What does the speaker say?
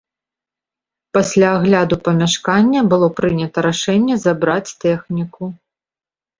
Пасля агляду памяшкання было прынята рашэнне забраць тэхніку.